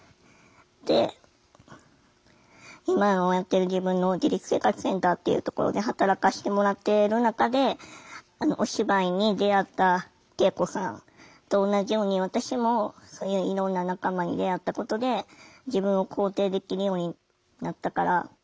で今のやってる自分の自立生活センターっていうところで働かしてもらってる中でお芝居に出会った圭永子さんと同じように私もそういういろんな仲間に出会ったことで自分を肯定できるようになったから。